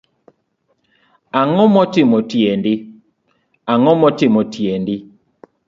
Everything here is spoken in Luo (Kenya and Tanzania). Angomotimo tiendi